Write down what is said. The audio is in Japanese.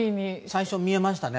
最初見えましたね。